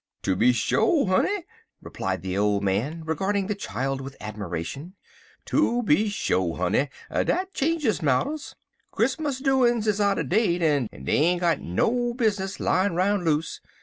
"Tooby sho, honey," replied the old man, regarding the child with admiration. "Tooby sho, honey; dat changes marters. Chris'mus doin's is outer date, en dey ain't got no bizness layin' roun' loose.